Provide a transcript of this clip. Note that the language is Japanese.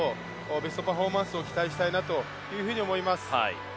ベストパフォーマンスを期待したいなと思います。